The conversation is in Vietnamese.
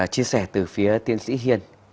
chia sẻ từ phía tiên sĩ hiền